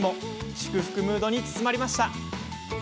祝福ムードに包まれました。